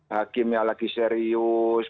hakimnya lagi serius